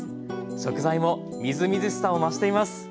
食材もみずみずしさを増しています。